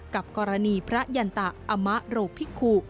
กับกรณีพระยันตะอมโรคภิกุ